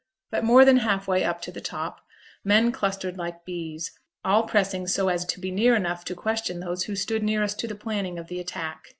But more than half way up to the top, men clustered like bees; all pressing so as to be near enough to question those who stood nearest to the planning of the attack.